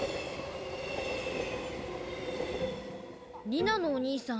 リナのお兄さん